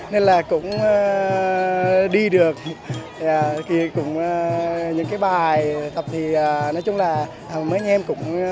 nên là cũng đi được những cái bài tập thì nói chung là mấy anh em cũng tập